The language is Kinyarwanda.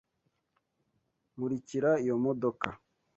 Nkurikira iyo modoka